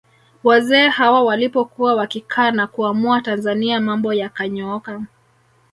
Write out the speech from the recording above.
Wazee hawa walipokuwa wakikaa na kuamua Tanzania mambo yakanyooka